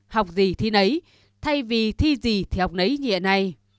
học gì thi nấy thay vì thi gì thì học nấy nhẹ này